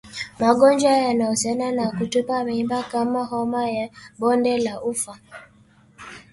Magonjwa yanayohusiana na kutupa mimba kama homa ya Bonde la Ufa